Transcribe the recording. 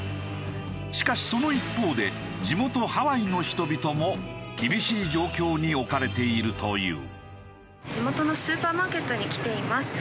しかしその一方で地元ハワイの人々も厳しい状況に置かれているという。